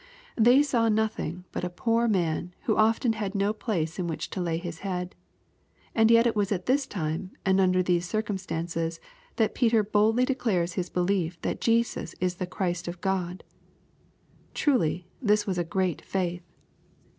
They saw nothing but a poor man, who often had no place in which to lay his head. And yet it was at this time, and under these circumstances, that Peter boldly declares his belief that Jesus is the Christ of God, Truly, this way a great faith